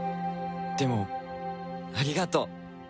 でもありがとう